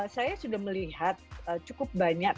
saya sudah melihat cukup banyak